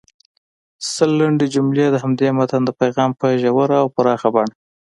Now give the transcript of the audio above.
سل لنډې جملې د همدې متن د پیغام په ژوره او پراخه بڼه